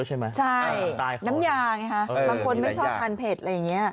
ใช่น้ำยาไงคะบางคนไม่ชอบทานเผ็ดอะไรอย่างนี้